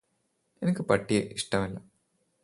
എനിക്കും പട്ടിയെ ഇഷ്ടമല്ല.